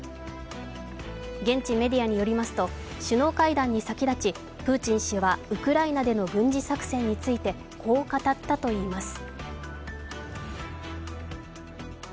現地メディアによりますと首脳会談に先立ちプーチン氏はウクライナでの軍事作戦についてこう語ったといいます。